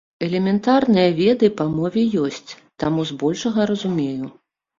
Элементарныя веды па мове ёсць, таму з большага разумею.